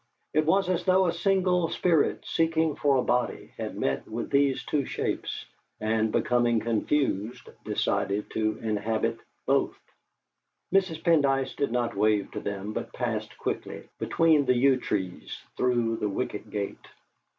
It was as though a single spirit seeking for a body had met with these two shapes, and becoming confused, decided to inhabit both. Mrs. Pendyce did not wave to them, but passed quickly, between the yew trees, through the wicket gate....